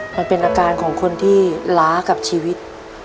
มันเป็นอาการของคนที่ล้ากับชีวิต